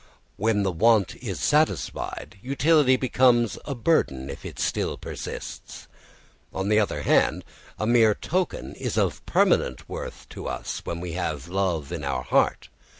When the want is satisfied, utility becomes a burden if it still persists. On the other hand, a mere token is of permanent worth to us when we have love in our heart.